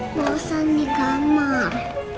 mau sam di kamar